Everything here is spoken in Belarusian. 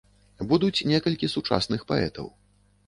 Будуць некалькі сучасных паэтаў.